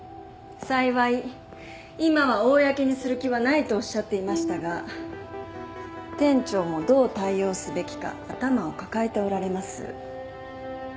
幸い今は公にする気はないとおっしゃっていましたが店長もどう対応すべきか頭を抱えておられます。